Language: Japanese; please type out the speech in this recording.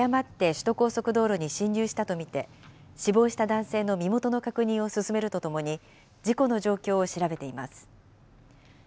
警察は、自転車が誤って首都高速道路に進入したと見て、死亡した男性の身元の確認を進めるとともに、事故の状況を調べています。